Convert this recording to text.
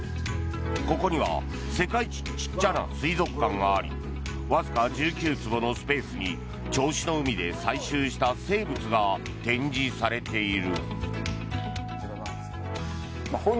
ここには世界一ちっちゃな水族館がありわずか１９坪のスペースに銚子の海で採集した生物が展示されている。